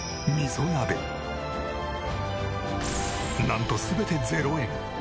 なんと全て０円。